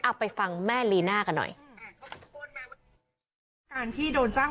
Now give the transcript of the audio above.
อับไปฟังแม่ลินากันหน่อย